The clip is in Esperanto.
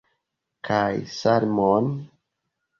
Kaj salmon!